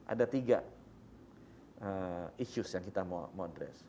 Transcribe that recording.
ada tiga issues yang kita mau address